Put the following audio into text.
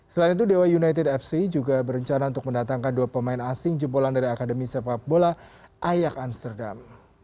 selain itu dewa united fc juga berencana untuk mendatangkan dua pemain asing jempolan dari akademi sepak bola ayak amsterdam